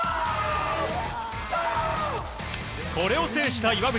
これを制した岩渕。